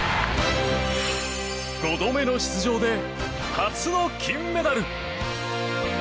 ５度目の出場で初の金メダル。